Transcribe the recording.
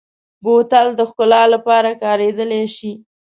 بوتل د ښکلا لپاره کارېدلی شي.